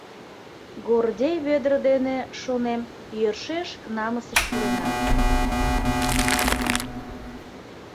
Гордей Вӧдыр дене, шонем, йӧршеш намысыш пуренам.